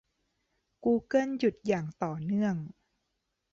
กูเกิลหยุดอย่างต่อเนื่อง